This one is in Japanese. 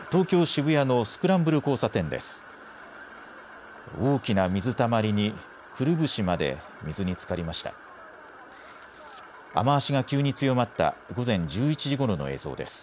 渋谷のスクランブル交差点です。